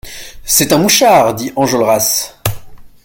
C'est un mouchard, dit Enjolras.